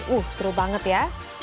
uh seru banget ya